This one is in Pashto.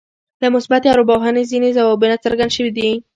له مثبتې ارواپوهنې ځينې ځوابونه څرګند شوي دي.